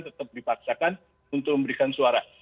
tetap dipaksakan untuk memberikan suara